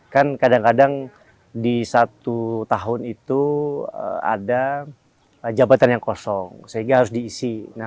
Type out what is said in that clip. kan kadang kadang di satu tahun itu ada jabatan yang kosong sehingga harus diisi